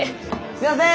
すいません！